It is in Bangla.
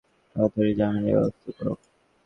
তারাতাড়ি জামিনের ব্যাবস্থা করো।